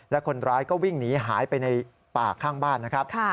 และคนร้ายก็วิ่งหนีหายไปในป่าข้างบ้านนะครับ